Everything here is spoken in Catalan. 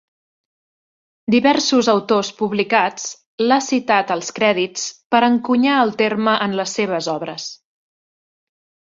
Diversos autors publicats l'ha citat als crèdits per encunyar el terme en les seves obres.